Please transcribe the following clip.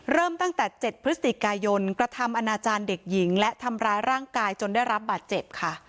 เริ่มตั้งแต่๗พฤศจิกายนกระทำอนาจารย์เด็กหญิงและทำร้ายร่างกายจนได้รับบาดเจ็บค่ะ